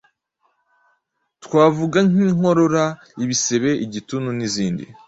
twavuga nk’inkorora, ibisebe, igituntu n’izindi;